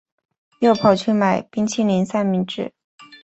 又跑去买冰淇淋三明治